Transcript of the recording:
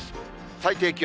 最低気温。